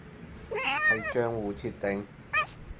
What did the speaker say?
係賬戶設定